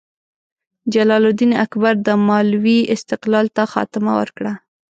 جلال الدین اکبر د مالوې استقلال ته خاتمه ورکړه.